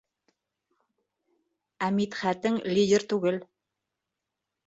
Ә Мидхәтең лидер түгел.